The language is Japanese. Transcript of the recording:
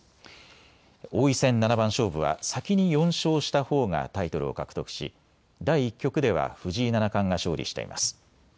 王位戦七番勝負は先に４勝したほうがタイトルを獲得し、第１局では藤井七冠が勝利しています。